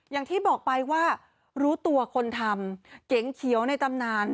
อย่างที่บอกไปว่ารู้ตัวคนทำเก๋งเขียวในตำนาน